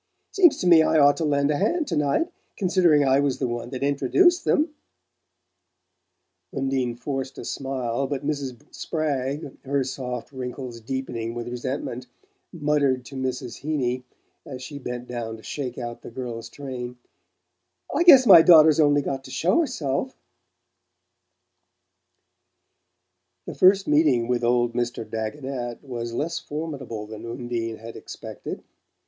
"Seems to me I ought to lend a hand to night, considering I was the one that introduced them!" Undine forced a smile, but Mrs. Spragg, her soft wrinkles deepening with resentment, muttered to Mrs. Heeny, as she bent down to shake out the girl's train: "I guess my daughter's only got to show herself " The first meeting with old Mr. Dagonet was less formidable than Undine had expected.